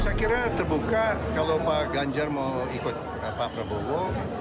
saya kira terbuka kalau pak ganjar mau ikut pak prabowo